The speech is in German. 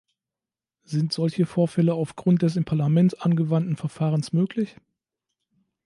Sind solche Vorfälle aufgrund des im Parlament angewandten Verfahrens möglich?